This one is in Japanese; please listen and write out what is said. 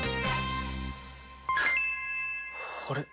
あれ？